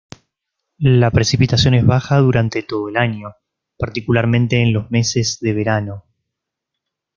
La precipitación es baja durante todo el año, particularmente en los meses de verano.